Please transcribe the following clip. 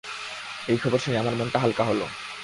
এই খবর শুনে আমার মনটা হাল্কা হল।